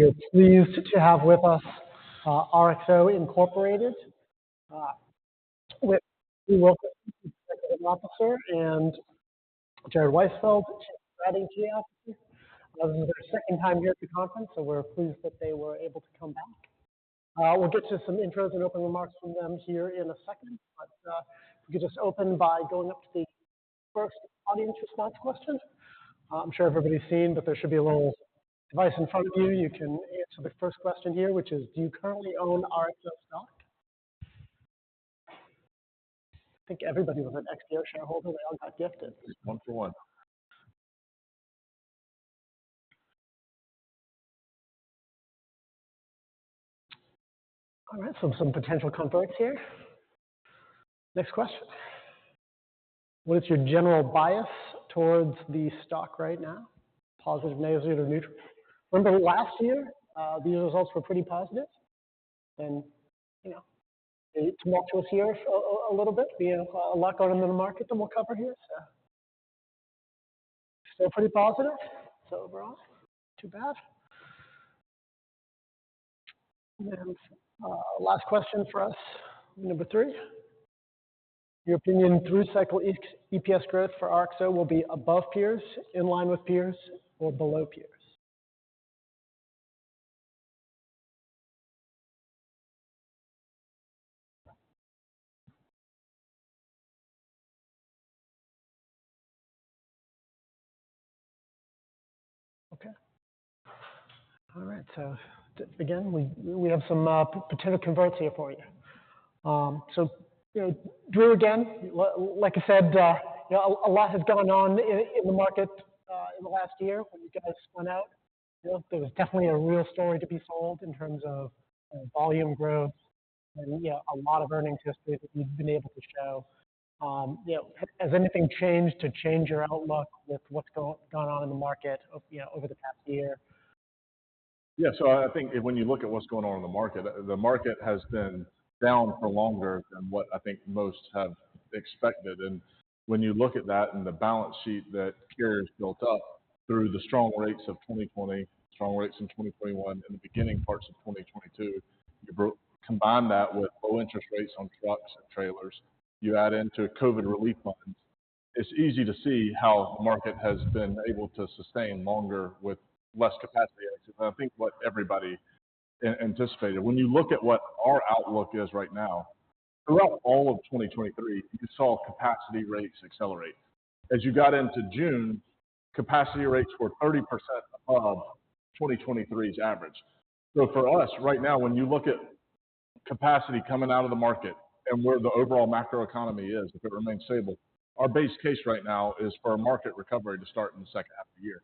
We are pleased to have with us RXO, Incorporated, with Drew Wilkerson, CEO, and Jared Weisfeld, Chief Strategy Officer. This is their second time here at the conference, so we're pleased that they were able to come back. We'll get to some intros and open remarks from them here in a second, but if we could just open by going up to the first audience response question. I'm sure everybody's seen, but there should be a little device in front of you. You can answer the first question here, which is, "Do you currently own RXO stock?" I think everybody was an XPO shareholder. They all got gifted. 1 for 1. All right, so some potential comments here. Next question. What is your general bias towards the stock right now? Positive, negative, or neutral? Remember last year, these results were pretty positive, and it's mixed for us here a little bit. We have a lot going on in the market that we'll cover here, so still pretty positive. So overall, good. Last question for us, number three. In your opinion, through-cycle EPS growth for RXO will be above peers, in line with peers, or below peers? Okay. All right, so again, we have some potential comments here for you. So Drew, again, like I said, a lot has gone on in the market in the last year when you guys spun out. There was definitely a real story to be sold in terms of volume growth and a lot of earnings history that you've been able to show. Has anything changed to change your outlook with what's gone on in the market over the past year? Yeah, so I think when you look at what's going on in the market, the market has been down for longer than what I think most have expected and when you look at that and the balance sheet that carriers built up through the strong rates of 2020, strong rates in 2021, in the beginning parts of 2022, you combine that with low interest rates on trucks and trailers, you add into COVID relief funds, it's easy to see how the market has been able to sustain longer with less capacity. I think what everybody anticipated, when you look at what our outlook is right now, throughout all of 2023, you saw capacity rates accelerate. As you got into June, capacity rates were 30% above 2023's average. So for us right now, when you look at capacity coming out of the market and where the overall macroeconomy is, if it remains stable, our base case right now is for a market recovery to start in the second half of the year.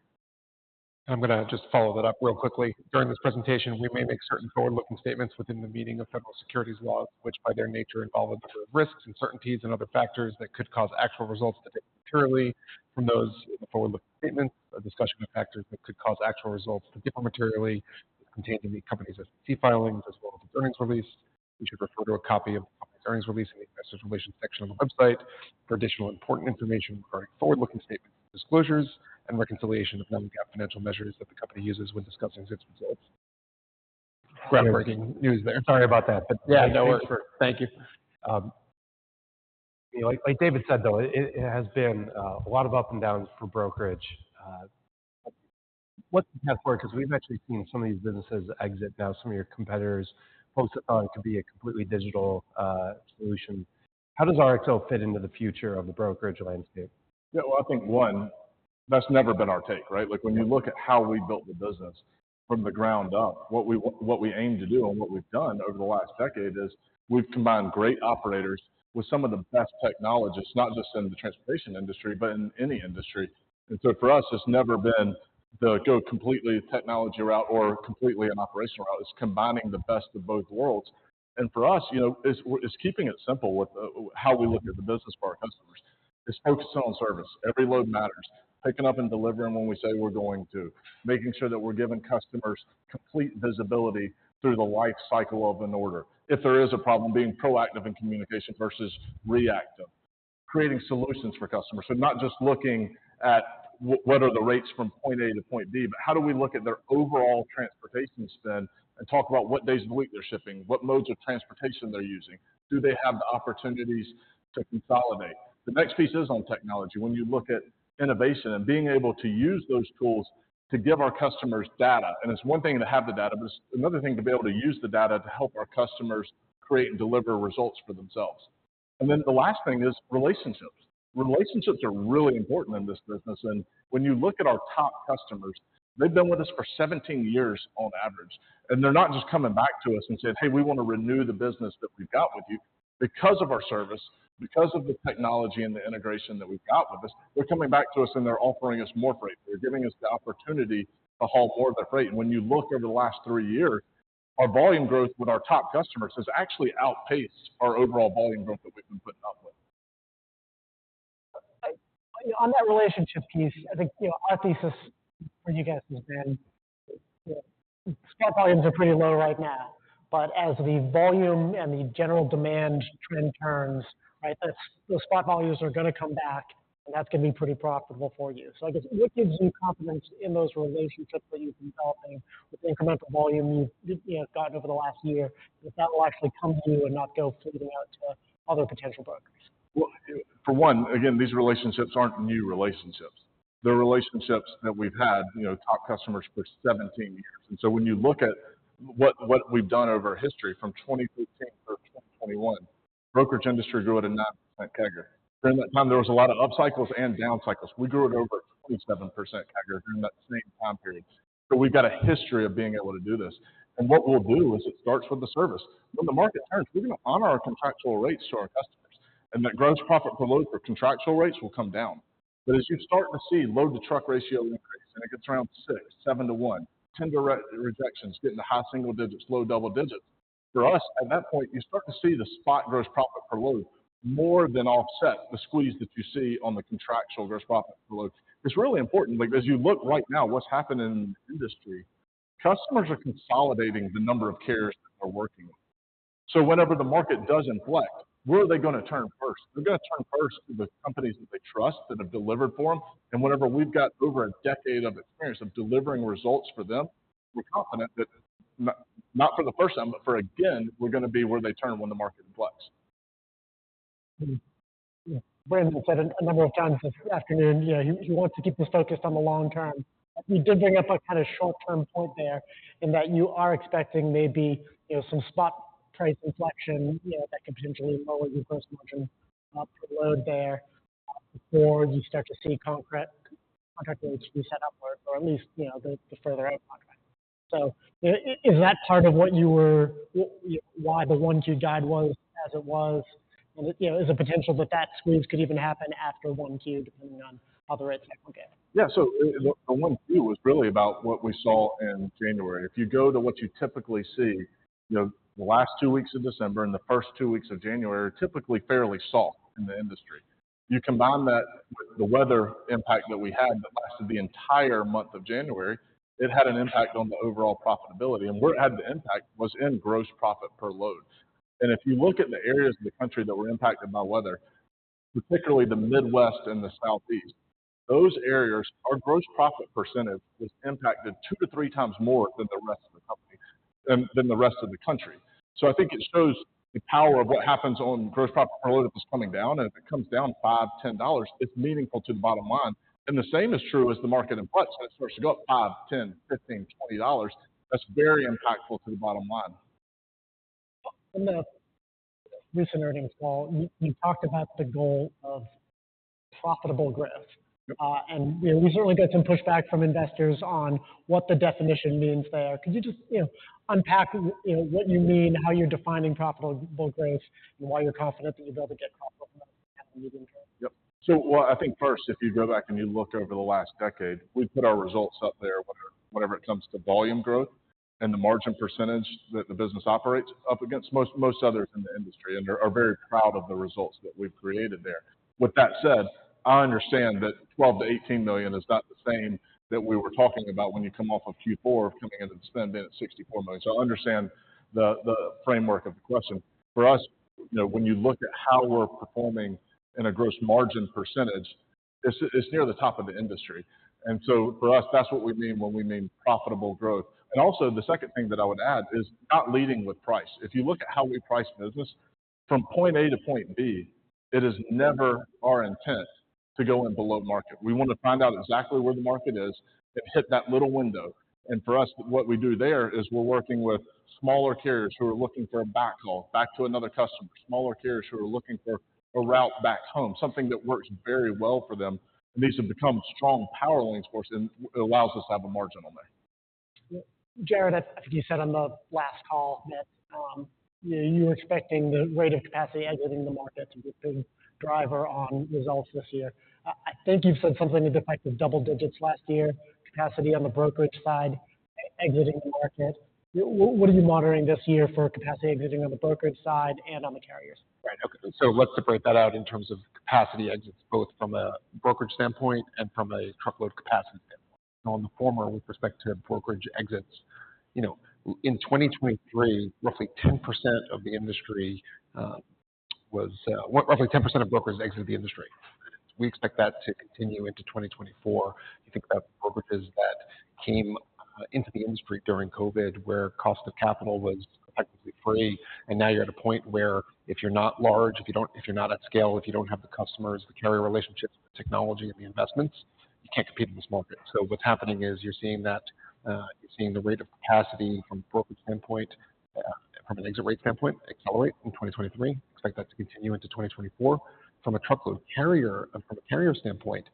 I'm going to just follow that up real quickly. During this presentation, we may make certain forward-looking statements within the meaning of federal securities laws, which by their nature involve a number of risks and uncertainties and other factors that could cause actual results to differ materially from those in the forward-looking statements. A discussion of factors that could cause actual results to differ materially is contained in the company's SEC filings as well as its earnings release. You should refer to a copy of the company's earnings release in the investor relations section on the website for additional important information regarding forward-looking statements and disclosures and reconciliation of non-GAAP financial measures that the company uses when discussing its results. Groundbreaking news there. Sorry about that, but yeah, thanks for. Yeah, no worries. Thank you. Like Drew said, though, it has been a lot of ups and downs for brokerage. What's the path forward? Because we've actually seen some of these businesses exit now, some of your competitors, folks that thought it could be a completely digital solution. How does RXO fit into the future of the brokerage landscape? Yeah, well, I think one, that's never been our take, right? When you look at how we built the business from the ground up, what we aim to do and what we've done over the last decade is we've combined great operators with some of the best technologists, not just in the transportation industry, but in any industry. So for us, it's never been the go completely technology route or completely an operational route. It's combining the best of both worlds. For us, it's keeping it simple with how we look at the business for our customers. It's focusing on service. Every load matters. Picking up and delivering when we say we're going to. Making sure that we're giving customers complete visibility through the life cycle of an order. If there is a problem, being proactive in communication versus reactive. Creating solutions for customers. So, not just looking at what are the rates from point A to point B, but how do we look at their overall transportation spend and talk about what days of the week they're shipping, what modes of transportation they're using. Do they have the opportunities to consolidate? The next piece is on technology. When you look at innovation and being able to use those tools to give our customers data. It's one thing to have the data, but it's another thing to be able to use the data to help our customers create and deliver results for themselves. Then the last thing is relationships. Relationships are really important in this business and when you look at our top customers, they've been with us for 17 years on average. They're not just coming back to us and saying, "Hey, we want to renew the business that we've got with you." Because of our service, because of the technology and the integration that we've got with us, they're coming back to us and they're offering us more freight. They're giving us the opportunity to haul more of their freight. When you look over the last three years, our volume growth with our top customers has actually outpaced our overall volume growth that we've been putting up with. On that relationship piece, I think our thesis for you guys has been spot volumes are pretty low right now, but as the volume and the general demand trend turns, those spot volumes are going to come back and that's going to be pretty profitable for you. So I guess what gives you confidence in those relationships that you've been developing with the incremental volume you've gotten over the last year that that will actually come to you and not go floating out to other potential brokers? Well, for one, again, these relationships aren't new relationships. They're relationships that we've had, top customers for 17 years. So when you look at what we've done over history from 2015 through 2021, the brokerage industry grew at a 9% CAGR. During that time, there was a lot of up cycles and down cycles. We grew it over at 27% CAGR during that same time period. So we've got a history of being able to do this, and what we'll do is it starts with the service. When the market turns, we're going to honor our contractual rates to our customers and that gross profit per load for contractual rates will come down. But as you start to see load-to-truck ratio increase and it gets around 6-7 to 1, tender rejections getting to high single digits, low double digits, for us, at that point, you start to see the spot gross profit per load more than offset the squeeze that you see on the contractual gross profit per load. It's really important. As you look right now, what's happening in the industry, customers are consolidating the number of carriers that they're working with. So whenever the market does inflect, where are they going to turn first? They're going to turn first to the companies that they trust that have delivered for them and whenever we've got over a decade of experience of delivering results for them, we're confident that not for the first time, but for again, we're going to be where they turn when the market inflects. Brandon said a number of times this afternoon, he wants to keep us focused on the long term. You did bring up a kind of short-term point there in that you are expecting maybe some spot price inflection that could potentially lower your gross margin per load there before you start to see contract rates reset upward, or at least the further out contract. So is that part of why the Q1 guide was as it was? Is it potential that that squeeze could even happen after Q1, depending on how the rates cycle get? Yeah, so the 1Q was really about what we saw in January. If you go to what you typically see, the last two weeks of December and the first two weeks of January are typically fairly soft in the industry. You combine that with the weather impact that we had that lasted the entire month of January, it had an impact on the overall profitability and where it had the impact was in gross profit per load. If you look at the areas of the country that were impacted by weather, particularly the Midwest and the Southeast, those areas, our gross profit percentage was impacted 2x-3x more than the rest of the company than the rest of the country. So I think it shows the power of what happens on gross profit per load if it's coming down. If it comes down $5-$10, it's meaningful to the bottom line. The same is true as the market inflects. It starts to go up $5, $10, $15, $20. That's very impactful to the bottom line. In the recent earnings call, you talked about the goal of profitable growth. We certainly get some pushback from investors on what the definition means there. Could you just unpack what you mean, how you're defining profitable growth, and why you're confident that you'll be able to get profitable growth in the medium term? Yep. So I think first, if you go back and you look over the last decade, we put our results up there, whatever it comes to volume growth and the margin percentage that the business operates up against most others in the industry and are very proud of the results that we've created there. With that said, I understand that $12 million-$18 million is not the same that we were talking about when you come off of Q4 of coming into the spend being at $64 million. So I understand the framework of the question. For us, when you look at how we're performing in a gross margin percentage, it's near the top of the industry. So for us, that's what we mean when we mean profitable growth. Also, the second thing that I would add is not leading with price. If you look at how we price business from point A to point B, it is never our intent to go in below market. We want to find out exactly where the market is and hit that little window and for us, what we do there is we're working with smaller carriers who are looking for a backhaul, back to another customer, smaller carriers who are looking for a route back home, something that works very well for them and these have become strong power lanes for us and it allows us to have a margin on there. Jared, I think you said on the last call that you were expecting the rate of capacity exiting the market to be a big driver on results this year. I think you've said something in the effect of double digits last year, capacity on the brokerage side exiting the market. What are you monitoring this year for capacity exiting on the brokerage side and on the carriers? Right, okay. So let's separate that out in terms of capacity exits, both from a brokerage standpoint and from a truckload capacity standpoint. On the former, with respect to brokerage exits, in 2023, roughly 10% of the industry was roughly 10% of brokers exited the industry. We expect that to continue into 2024. You think about the brokerages that came into the industry during COVID where cost of capital was effectively free and now you're at a point where if you're not large, if you're not at scale, if you don't have the customers, the carrier relationships, the technology, and the investments, you can't compete in this market. So what's happening is you're seeing that you're seeing the rate of capacity from a brokerage standpoint, from an exit rate standpoint, accelerate in 2023. Expect that to continue into 2024. From a truckload carrier standpoint,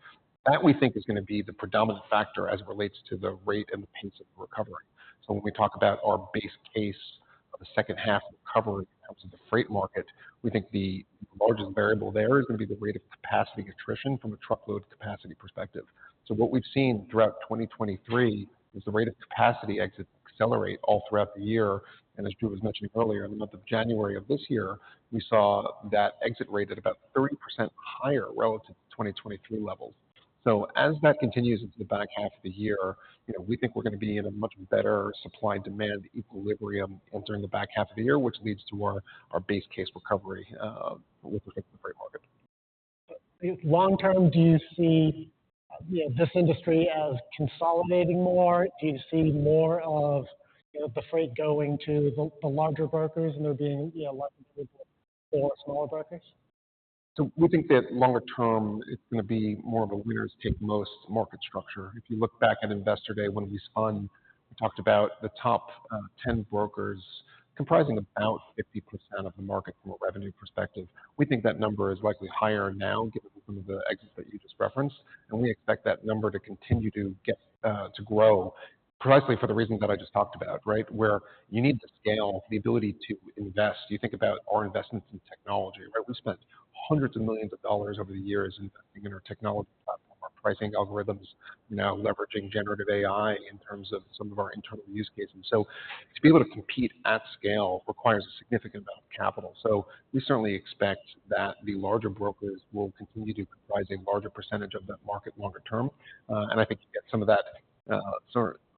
that we think is going to be the predominant factor as it relates to the rate and the pace of the recovery. So when we talk about our base case of the second half recovery in terms of the freight market, we think the largest variable there is going to be the rate of capacity attrition from a truckload capacity perspective. So what we've seen throughout 2023 is the rate of capacity exits accelerate all throughout the year. As Drew was mentioning earlier, in the month of January of this year, we saw that exit rate at about 30% higher relative to 2023 levels. So as that continues into the back half of the year, we think we're going to be in a much better supply-demand equilibrium entering the back half of the year, which leads to our base case recovery with respect to the freight market. Long term, do you see this industry as consolidating more? Do you see more of the freight going to the larger brokers and there being less available for smaller brokers? So we think that longer term, it's going to be more of a winner's take most market structure. If you look back at Investor Day, when we spun, we talked about the top 10 brokers comprising about 50% of the market from a revenue perspective. We think that number is likely higher now given some of the exits that you just referenced. We expect that number to continue to grow precisely for the reasons that I just talked about, right, where you need the scale, the ability to invest. You think about our investments in technology, right? We spent hundreds of millions of dollars over the years investing in our technology platform, our pricing algorithms, now leveraging generative AI in terms of some of our internal use cases. So to be able to compete at scale requires a significant amount of capital. We certainly expect that the larger brokers will continue to comprise a larger percentage of that market longer term. I think you get some of that,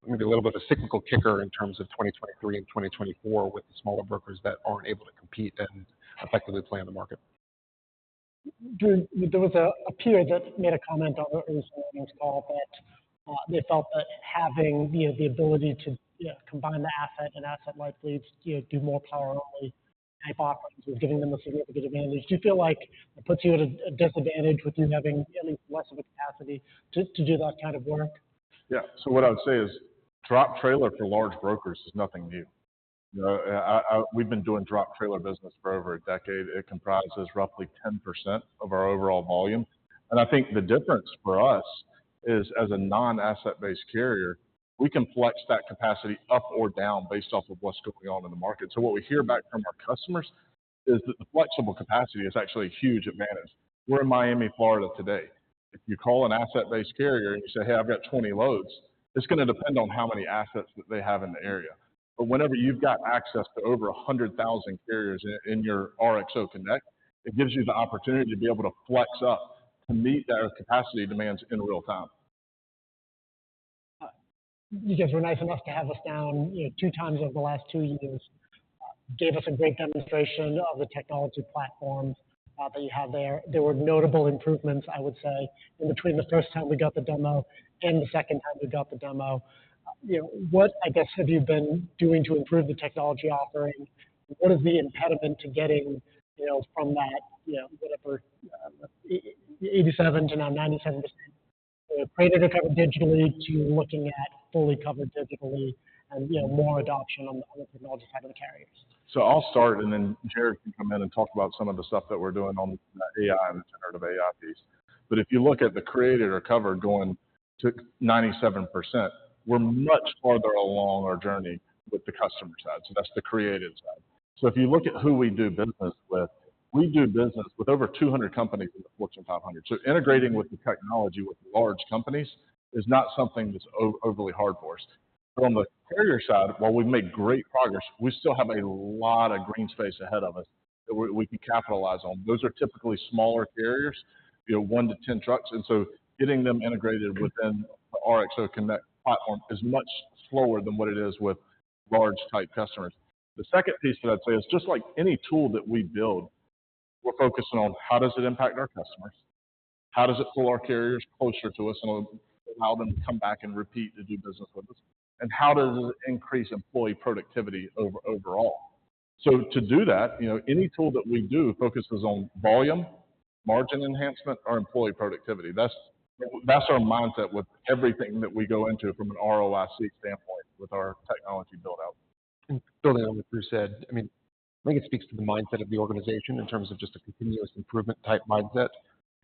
maybe a little bit of a cyclical kicker in terms of 2023 and 2024 with the smaller brokers that aren't able to compete and effectively play in the market. Drew, there was a peer that made a comment on the recent earnings call that they felt that having the ability to combine the asset and asset-light, do more power-only type offerings was giving them a significant advantage. Do you feel like it puts you at a disadvantage with you having at least less of a capacity to do that kind of work? Yeah, so what I would say is drop trailer for large brokers is nothing new. We've been doing drop trailer business for over a decade. It comprises roughly 10% of our overall volume and I think the difference for us is as a non-asset-based carrier, we can flex that capacity up or down based off of what's going on in the market. So what we hear back from our customers is that the flexible capacity is actually a huge advantage. We're in Miami, Florida today. If you call an asset-based carrier and you say, "Hey, I've got 20 loads," it's going to depend on how many assets that they have in the area. But whenever you've got access to over 100,000 carriers in your RXO Connect, it gives you the opportunity to be able to flex up to meet their capacity demands in real time. You guys were nice enough to have us down two times over the last two years. Gave us a great demonstration of the technology platforms that you have there. There were notable improvements, I would say, in between the first time we got the demo and the second time we got the demo. What, I guess, have you been doing to improve the technology offering? What is the impediment to getting from that, whatever, 87%-97% created or covered digitally to looking at fully covered digitally and more adoption on the technology side of the carriers? So I'll start and then Jared can come in and talk about some of the stuff that we're doing on the AI and the generative AI piece. But if you look at the coverage going to 97%, we're much farther along our journey with the customer side. So that's the coverage side. So if you look at who we do business with, we do business with over 200 companies in the Fortune 500. So integrating with the technology with large companies is not something that's overly hard for us. On the carrier side, while we've made great progress, we still have a lot of green space ahead of us that we can capitalize on. Those are typically smaller carriers, 1-10 trucks, and so getting them integrated within the RXO Connect platform is much slower than what it is with large-type customers. The second piece that I'd say is just like any tool that we build, we're focusing on how does it impact our customers? How does it pull our carriers closer to us and allow them to come back and repeat to do business with us and how does it increase employee productivity overall? So to do that, any tool that we do focuses on volume, margin enhancement, or employee productivity. That's our mindset with everything that we go into from an ROIC standpoint with our technology buildout. Building on what Drew said, I mean, I think it speaks to the mindset of the organization in terms of just a continuous improvement type mindset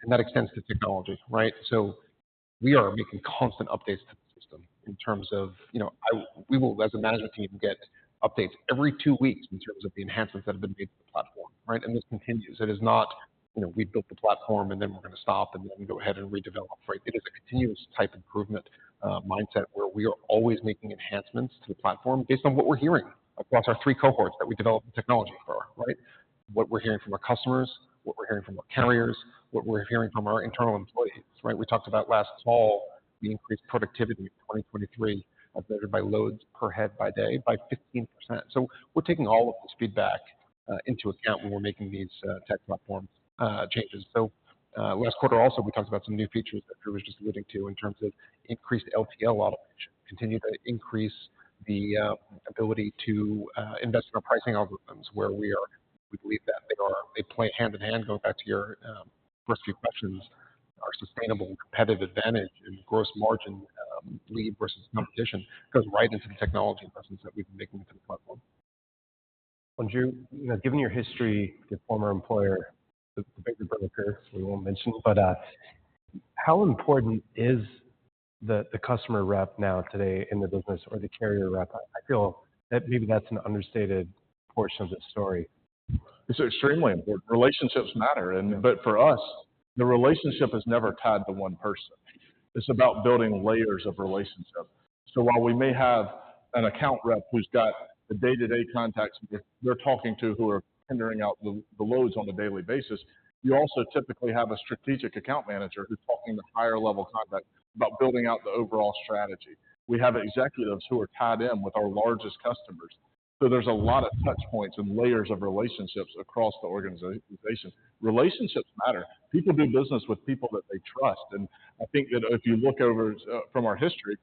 and that extends to technology, right? So we are making constant updates to the system in terms of we will, as a management team, get updates every two weeks in terms of the enhancements that have been made to the platform, right? This continues. It is not we built the platform and then we're going to stop and then go ahead and redevelop, right? It is a continuous type improvement mindset where we are always making enhancements to the platform based on what we're hearing across our three cohorts that we develop the technology for, right? What we're hearing from our customers, what we're hearing from our carriers, what we're hearing from our internal employees, right? We talked about last fall, the increased productivity in 2023 as measured by loads per head by day by 15%. So we're taking all of this feedback into account when we're making these tech platform changes. So last quarter also, we talked about some new features that Drew was just alluding to in terms of increased LTL automation, continue to increase the ability to invest in our pricing algorithms where we believe that they play hand in hand, going back to your first few questions, our sustainable competitive advantage in gross margin lead versus competition goes right into the technology investments that we've been making into the platform. Drew, given your history as a former employee, the bigger brother parent we won't mention, but how important is the customer rep now today in the business or the carrier rep? I feel that maybe that's an understated portion of the story. It's extremely important. Relationships matter. But for us, the relationship is never tied to one person. It's about building layers of relationship. So while we may have an account rep who's got the day-to-day contacts they're talking to who are tendering out the loads on a daily basis, you also typically have a strategic account manager who's talking to higher-level contacts about building out the overall strategy. We have executives who are tied in with our largest customers. So there's a lot of touchpoints and layers of relationships across the organization. Relationships matter. People do business with people that they trust. I think that if you look over from our history,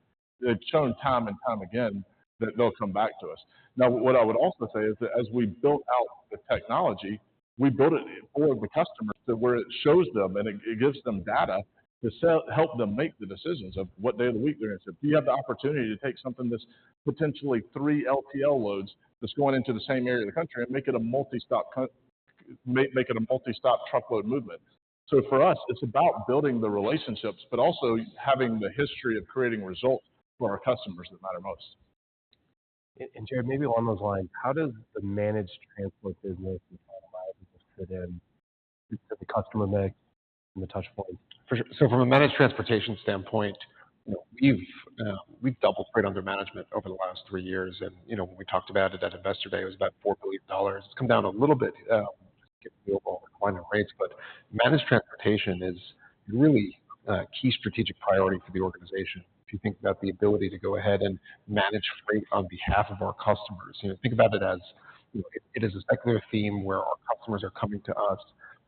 they've shown time and time again that they'll come back to us. Now, what I would also say is that as we built out the technology, we built it for the customers to where it shows them and it gives them data to help them make the decisions of what day of the week they're in. So if you have the opportunity to take something that's potentially three LTL loads that's going into the same area of the country and make it a multi-stop truckload movement. So for us, it's about building the relationships, but also having the history of creating results for our customers that matter most. Jared, maybe along those lines, how does the managed transport business and automotive fit into the customer mix and the touchpoints? So from a Managed Transportation standpoint, we've doubled freight under management over the last three years. When we talked about it at Investor Day, it was about $4 billion. It's come down a little bit just to get view of all the client rates. But Managed Transportation is really a key strategic priority for the organization if you think about the ability to go ahead and manage freight on behalf of our customers. Think about it as it is a secular theme where our customers are coming to us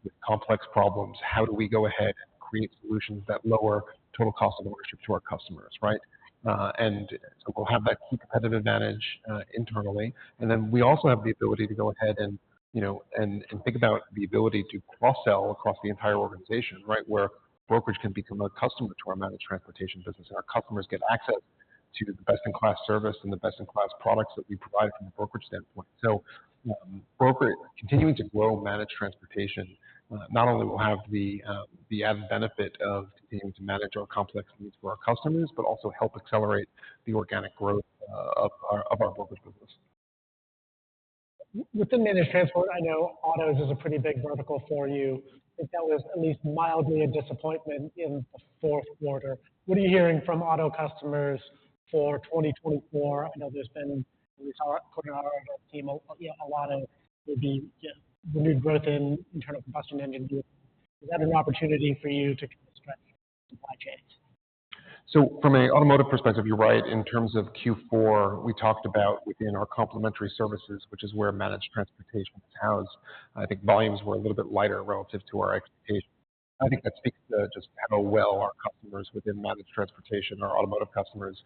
with complex problems. How do we go ahead and create solutions that lower total cost of ownership to our customers, right? So we'll have that key competitive advantage internally. Then we also have the ability to go ahead and think about the ability to cross-sell across the entire organization, right, where brokerage can become a customer to our Managed Transportation business and our customers get access to the best-in-class service and the best-in-class products that we provide from a brokerage standpoint. So continuing to grow Managed Transportation, not only will have the added benefit of continuing to manage our complex needs for our customers, but also help accelerate the organic growth of our brokerage business. Within managed transport, I know autos is a pretty big vertical for you. I know that was at least mildly a disappointment in the fourth quarter. What are you hearing from auto customers for 2024? I know there's been at least our team a lot of maybe renewed growth in internal combustion engine vehicles. Is that an opportunity for you to kind of stretch supply chains? So from an automotive perspective, you're right. In terms of Q4, we talked about within our Complementary Services, which is where Managed Transportation is housed, I think volumes were a little bit lighter relative to our expectations. I think that speaks to just how well our customers within Managed Transportation, our automotive customers,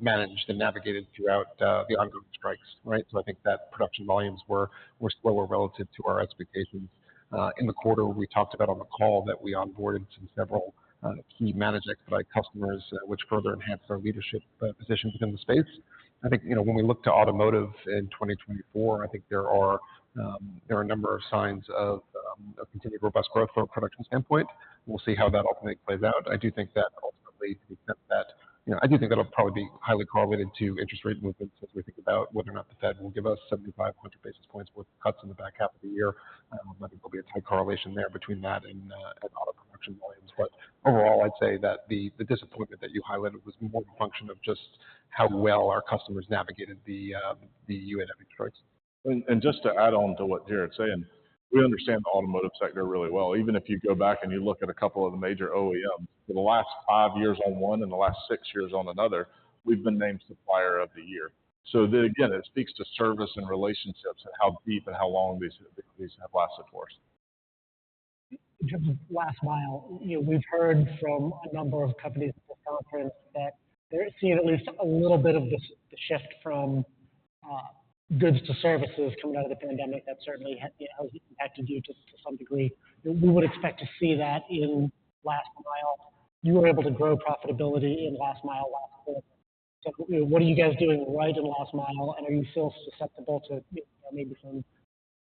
managed and navigated throughout the ongoing strikes, right? So I think that production volumes were slower relative to our expectations. In the quarter, we talked about on the call that we onboarded some several key Managed Expedite customers, which further enhanced our leadership position within the space. I think when we look to automotive in 2024, I think there are a number of signs of continued robust growth from a production standpoint. We'll see how that ultimately plays out. I do think that ultimately, to the extent that I do think that'll probably be highly correlated to interest rate movements as we think about whether or not the Fed will give us 75 to 100 basis points worth of cuts in the back half of the year. I don't know if there'll be a tight correlation there between that and auto production volumes. But overall, I'd say that the disappointment that you highlighted was more a function of just how well our customers navigated the UAW strikes. Just to add on to what Jared's saying, we understand the automotive sector really well. Even if you go back and you look at a couple of the major OEMs, for the last five years on one and the last six years on another, we've been named Supplier of the Year. So then again, it speaks to service and relationships and how deep and how long these have lasted for us. In terms of Last Mile, we've heard from a number of companies at this conference that they're seeing at least a little bit of the shift from goods to services coming out of the pandemic that certainly has impacted you to some degree. We would expect to see that in Last Mile. You were able to grow profitability in Last Mile, last quarter. So what are you guys doing right in Last Mile? Are you still susceptible to maybe some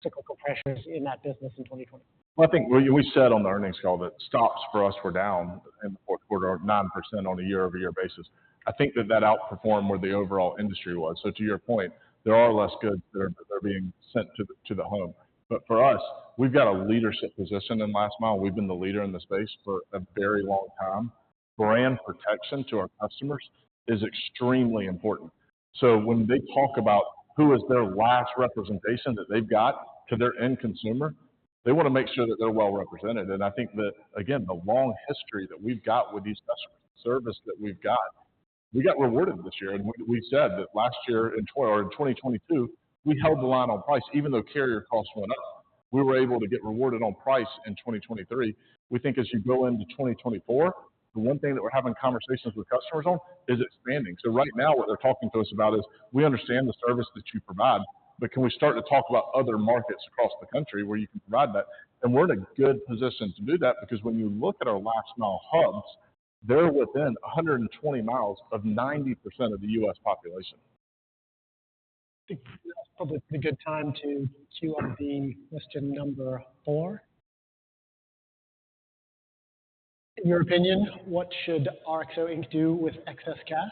cyclical pressures in that business in 2020? Well, I think we said on the earnings call that stops for us were down in the fourth quarter at 9% on a year-over-year basis. I think that that outperformed where the overall industry was. So to your point, there are less goods that are being sent to the home. But for us, we've got a leadership position in Last Mile. We've been the leader in the space for a very long time. Brand protection to our customers is extremely important. So when they talk about who is their last representation that they've got to their end consumer, they want to make sure that they're well represented. I think that, again, the long history that we've got with these customers, the service that we've got, we got rewarded this year and we said that last year in 2022, we held the line on price. Even though carrier costs went up, we were able to get rewarded on price in 2023. We think as you go into 2024, the one thing that we're having conversations with customers on is expanding. So right now, what they're talking to us about is, "We understand the service that you provide, but can we start to talk about other markets across the country where you can provide that?" We're in a good position to do that because when you look at our Last Mile hubs, they're within 120 miles of 90% of the U.S. population. I think that's probably a good time to cue up the question number four. In your opinion, what should RXO do with excess cash?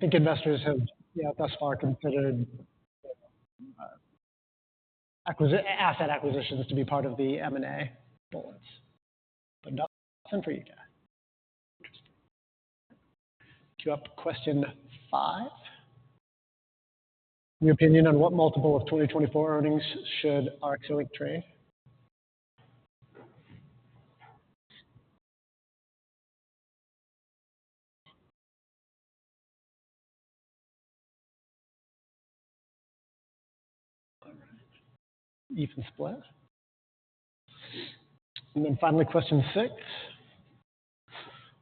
Yeah. I think investors have thus far considered asset acquisitions to be part of the M&A bullets. But not a lesson for you guys. Interesting. Cue up question five. In your opinion, on what multiple of 2024 earnings should RXO trade? Even split. Then finally, question six.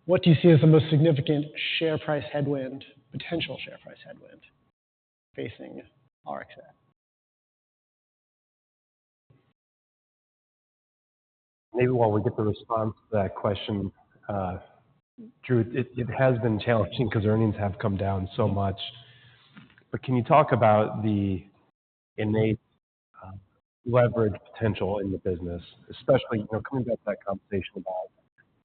What do you see as the most significant share price headwind, potential share price headwind, facing RXO? Maybe while we get the response to that question, Drew, it has been challenging because earnings have come down so much, but can you talk about the innate leverage potential in the business, especially coming back to that conversation about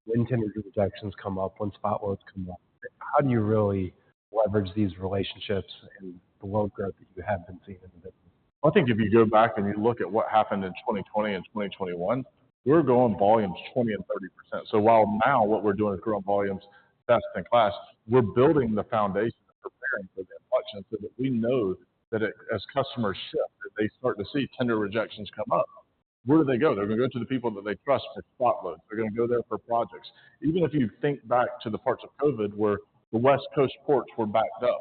when tender rejections come up, when spot loads come up? How do you really leverage these relationships and the load growth that you have been seeing in the business? Well, I think if you go back and you look at what happened in 2020 and 2021, we were growing volumes 20% and 30%. So while now what we're doing is growing volumes best in class, we're building the foundation and preparing for the inflection so that we know that as customers shift, that they start to see tender rejections come up, where do they go? They're going to go to the people that they trust for spot loads. They're going to go there for projects. Even if you think back to the parts of COVID where the West Coast ports were backed up,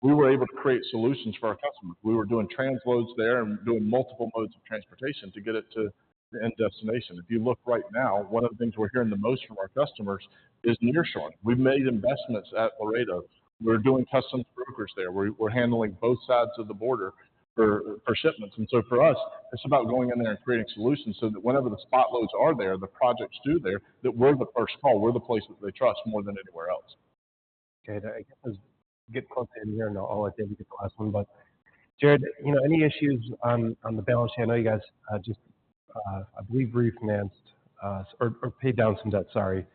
we were able to create solutions for our customers. We were doing transloads there and doing multiple modes of transportation to get it to the end destination. If you look right now, one of the things we're hearing the most from our customers is nearshoring. We've made investments at Laredo. We're doing customs brokers there. We're handling both sides of the border for shipments. So for us, it's about going in there and creating solutions so that whenever the spot loads are there, the projects do there, that we're the first call. We're the place that they trust more than anywhere else. Okay. I guess as we get closer in here, I'll attempt to get the last one. But Jared, any issues on the balance sheet? I know you guys just, I believe, refinanced or paid down some debt, sorry.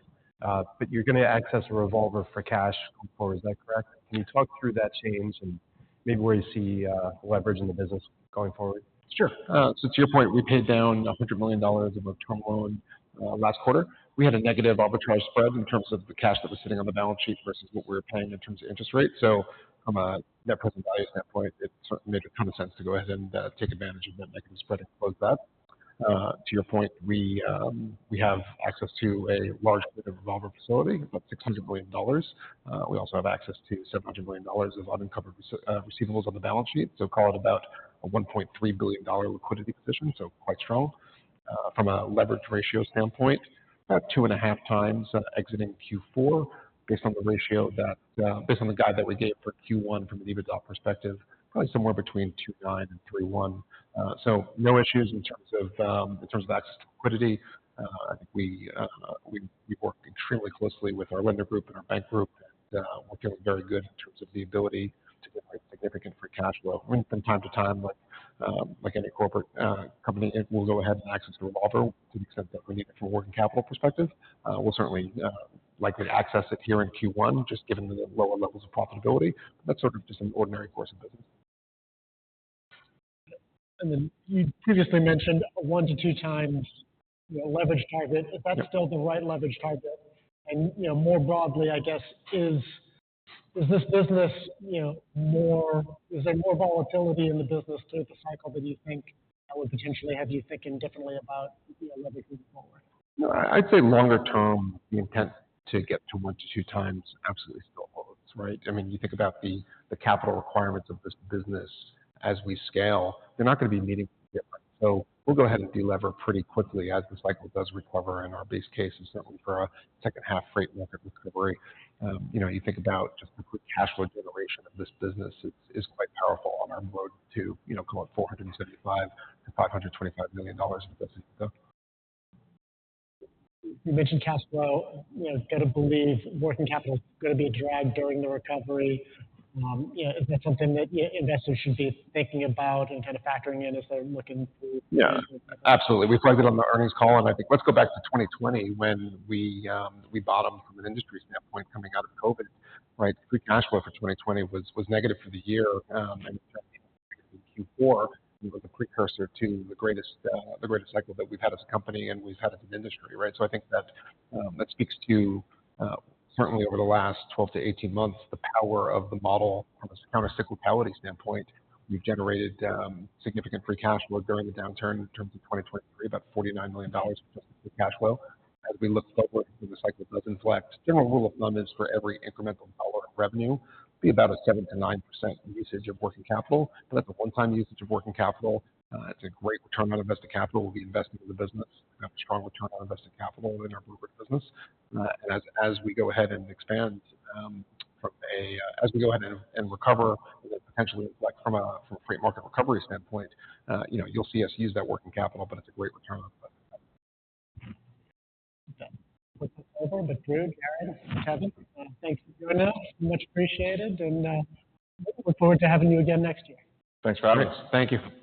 But you're going to access a revolver for cash going forward. Is that correct? Can you talk through that change and maybe where you see leverage in the business going forward? Sure. So to your point, we paid down $100 million of a term loan last quarter. We had a negative arbitrage spread in terms of the cash that was sitting on the balance sheet versus what we were paying in terms of interest rate. So from a net present value standpoint, it certainly made a ton of sense to go ahead and take advantage of that negative spread and close that. To your point, we have access to a large bit of revolver facility, about $600 million. We also have access to $700 million of unencumbered receivables on the balance sheet. So call it about a $1.3 billion liquidity position, so quite strong. From a leverage ratio standpoint, about 2.5x exiting Q4 based on the ratio based on the guide that we gave for Q1 from an EBITDA perspective, probably somewhere between 2.9x-3.1x. So no issues in terms of access to liquidity. I think we work extremely closely with our lender group and our bank group and we're feeling very good in terms of the ability to generate significant free cash flow. From time to time, like any corporate company, we'll go ahead and access the revolver to the extent that we need it from a working capital perspective. We'll certainly likely access it here in Q1 just given the lower levels of profitability. That's sort of just an ordinary course of business. Then you previously mentioned 1x-2x leverage target. Is that still the right leverage target? More broadly, I guess, is there more volatility in the business through the cycle than you think that would potentially have you thinking differently about leverage moving forward? No, I'd say longer term, the intent to get to 1x-2x absolutely still holds, right? I mean, you think about the capital requirements of this business as we scale, they're not going to be meeting the deadline. So we'll go ahead and delever pretty quickly as the cycle does recover and our base case is certainly for a second-half freight market recovery. You think about just the quick cash flow generation of this business is quite powerful on our road to, call it, $475 million-$525 million of EBITDA. You mentioned cash flow. Got to believe working capital is going to be dragged during the recovery. Is that something that investors should be thinking about and kind of factoring in as they're looking through? Yeah, absolutely. We flagged it on the earnings call. I think let's go back to 2020 when we bottomed from an industry standpoint coming out of COVID, right? The free cash flow for 2020 was negative for the year. In fact, it was negative in Q4 and it was a precursor to the greatest cycle that we've had as a company and we've had it in industry, right? So I think that speaks to certainly over the last 12-18 months, the power of the model from a countercyclicality standpoint. We've generated significant free cash flow during the downturn in terms of 2023, about $49 million in just the free cash flow. As we look forward to when the cycle does inflect, general rule of thumb is for every incremental dollar of revenue, be about a 7%-9% usage of working capital. But that's a one-time usage of working capital. It's a great return on invested capital. It will be invested in the business. We have a strong return on invested capital in our brokerage business. As we go ahead and expand, as we go ahead and recover and then potentially inflect from a freight market recovery standpoint, you'll see us use that working capital, but it's a great return on invested capital. Okay. We'll cut over. But Drew, Jared, Brandon, thanks for joining us. Much appreciated and looking forward to having you again next year. Thanks for having us. Thank you.